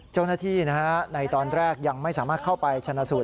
เจ้าหน้าที่ในตอนแรกยังไม่สามารถเข้าไปชนะสูตร